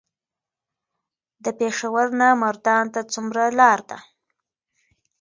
د پېښور نه مردان ته څومره لار ده؟